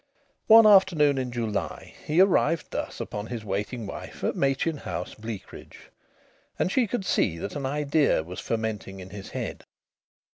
One afternoon in July he arrived thus upon his waiting wife at Machin House, Bleakridge. And she could see that an idea was fermenting in his head.